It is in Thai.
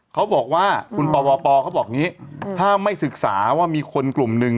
เขาบอกว่าคุณปวปเขาบอกอย่างนี้ถ้าไม่ศึกษาว่ามีคนกลุ่มหนึ่ง